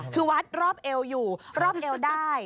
คือวัดรอบเอวอยู่รอบเอวได้